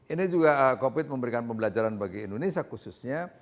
ini juga covid memberikan pembelajaran bagi indonesia khususnya